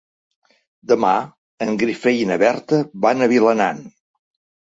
Demà en Guifré i na Berta van a Vilanant.